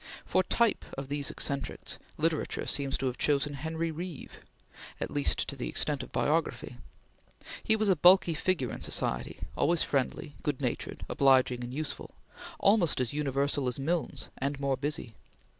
For type of these eccentrics, literature seems to have chosen Henry Reeve, at least to the extent of biography. He was a bulky figure in society, always friendly, good natured, obliging, and useful; almost as universal as Milnes and more busy.